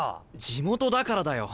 地元だからだよ。